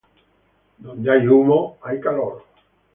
Donde hay humo, hay calor.